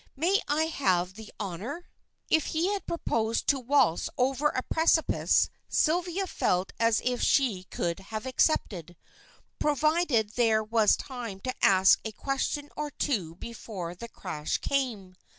May I have the honor?" If he had proposed to waltz over a precipice Sylvia felt as if she could have accepted, provided there was time to ask a question or two before the crash came.